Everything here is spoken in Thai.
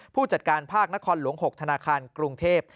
ผู้จัดการภาคนครหลวง๖ธนาคารกรุงเทพ